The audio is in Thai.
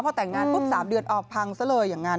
พอแต่งงานพุทธสาปเดือดออกพังซะเลย